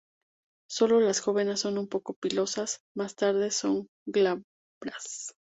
Sólo las jóvenes son un poco pilosas, más tarde son glabras.